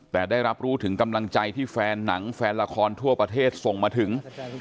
แต่ได้รับรู้ถึงกำลังใจที่แฟนหนังแฟนละครทั่วประเทศส่งมาถึง